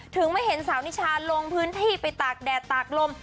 ไม่เห็นสาวนิชาลงพื้นที่ไปตากแดดตากลม